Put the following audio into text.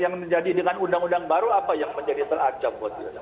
yang terjadi dengan undang undang baru apa yang menjadi teracam